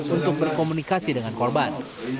untuk berkomunikasi dengan korban